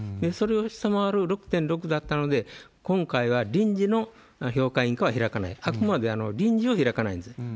それを下回る６．６だったので、今回は臨時の評価委員会は開かない、あくまで臨時は開かないんです。